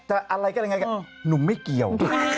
จะอะไรก็ได้ไงกันหนุ่มไม่เกี่ยว